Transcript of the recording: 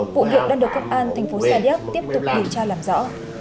vụ việc đang được công an tp sa điếp tiếp tục điều tra làm rõ